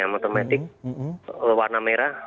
motor metik warna merah